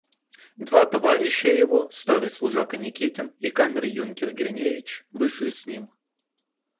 Два товарища его, старый служака Никитин и камер-юнкер Гриневич, вышли с ним.